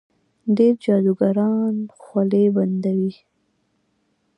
ډېر جادوګران خولې بندوي.